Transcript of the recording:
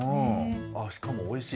しかもおいしい。